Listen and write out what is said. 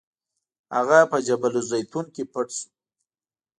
هغه په جبل الزیتون کې پټ شو.